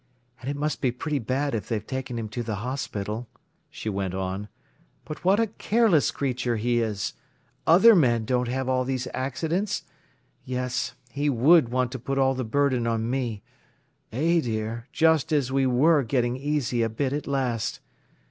"And it must be pretty bad if they've taken him to the hospital," she went on. "But what a careless creature he is! Other men don't have all these accidents. Yes, he would want to put all the burden on me. Eh, dear, just as we were getting easy a bit at last.